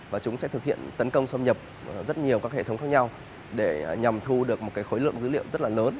và chúng sẽ thực hiện tấn công xâm nhập rất nhiều các hệ thống khác nhau để nhằm thu được một khối lượng dữ liệu rất là lớn